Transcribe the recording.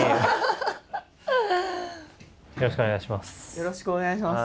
よろしくお願いします。